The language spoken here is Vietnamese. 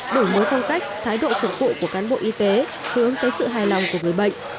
đổi mới phong cách thái độ phục vụ của cán bộ y tế hướng tới sự hài lòng của người bệnh